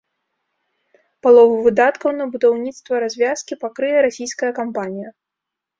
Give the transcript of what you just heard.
Палову выдаткаў на будаўніцтва развязкі пакрые расійская кампанія.